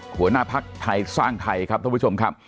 หัวหน้าภักดิ์ไทยสร้างไทยครับท่านผู้ชมครับ